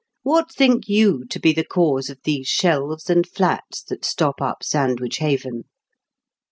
What think you to be the cause of these shelves and flats that stop up Sandwich haven